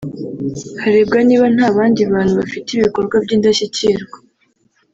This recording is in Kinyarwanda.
harebwa niba nta bandi bantu bafite ibikorwa by’indashyikirwa